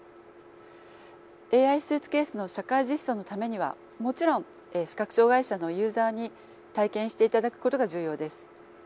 ＡＩスーツケースの社会実装のためにはもちろん視覚障害者のユーザーに体験していただくことが重要です。